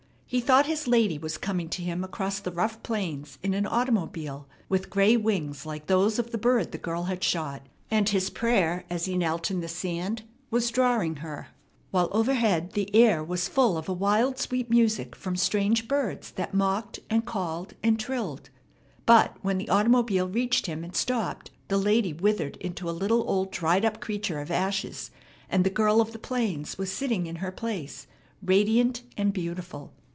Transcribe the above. He thought his lady was coming to him across the rough plains in an automobile, with gray wings like those of the bird the girl had shot, and his prayer as he knelt in the sand was drawing her, while overhead the air was full of a wild, sweet music from strange birds that mocked and called and trilled. But, when the automobile reached him and stopped, the lady withered into a little, old, dried up creature of ashes; and the girl of the plains was sitting in her place radiant and beautiful.